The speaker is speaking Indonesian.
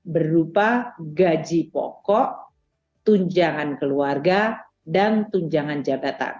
berupa gaji pokok tunjangan keluarga dan tunjangan jabatan